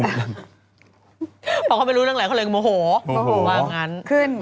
พอเขาไม่รู้เรื่องอะไรเขาเลยโมโหว่างั้น